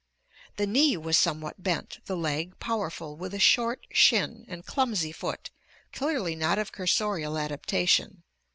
The knee was some what bent, the leg powerful, with a short shin and clumsy foot, clearly not of cursorial adaptation.